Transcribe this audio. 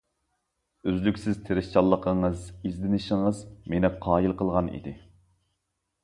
ئۈزلۈكسىز تىرىشچانلىقىڭىز، ئىزدىنىشىڭىز مېنى قايىل قىلغان ئىدى.